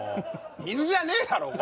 水じゃねえだろ